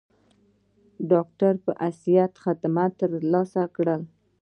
د ډاکټر پۀ حېث خدمات تر سره کړل ۔